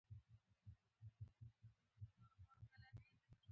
دوی په نوو ایکوسېسټمونو کې ژر بلد شول.